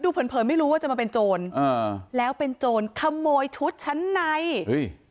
เผินเผินไม่รู้ว่าจะมาเป็นโจรอ่าแล้วเป็นโจรขโมยชุดชั้นในเฮ้ย